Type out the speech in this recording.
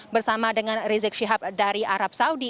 bersama dengan rizik syihab dari arab saudi